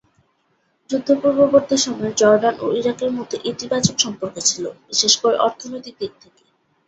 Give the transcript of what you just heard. যুদ্ধ পূর্ববর্তী সময়ে জর্ডান ও ইরাকের মধ্যে ইতিবাচক সম্পর্ক ছিল, বিশেষ করে অর্থনৈতিক দিক থেকে।